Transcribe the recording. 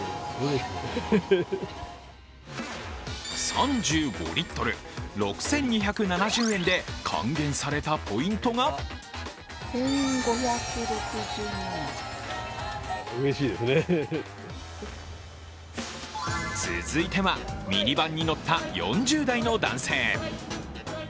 ３５リットル、６２７０円で還元されたポイントが続いてはミニバンに乗った４０代の男性。